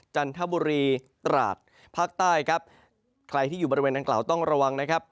จันทบุรีตราดภาคใต้ครับใครที่อยู่บริเวณดังกล่าวต้องระวังนะครับ